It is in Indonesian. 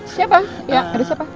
siapa ya ada siapa